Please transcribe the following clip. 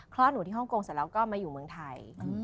หนูที่ฮ่องกงเสร็จแล้วก็มาอยู่เมืองไทย